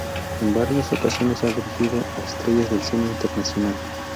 En varias ocasiones ha dirigido a estrellas del cine internacional.